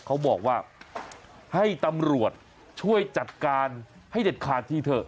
เขาบอกว่าให้ตำรวจช่วยจัดการให้เด็ดขาดทีเถอะ